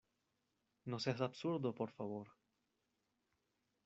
no seas absurdo, por favor.